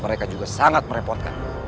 mereka juga sangat merepotkan